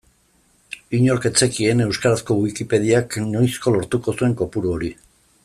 Inork ez zekien euskarazko Wikipediak noizko lortuko zuen kopuru hori.